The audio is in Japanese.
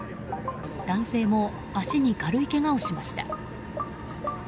男性も足に軽いけがをしました。